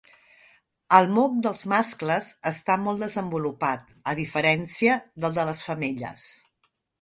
El moc dels mascles està molt desenvolupat a diferència del de les femelles.